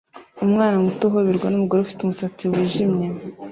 Umwana muto uhoberwa numugore ufite umusatsi wijimye